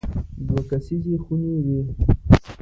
دوه کسیزې خونې وې.